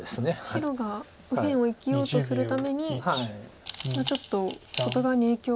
白が右辺を生きようとするためにちょっと外側に影響が。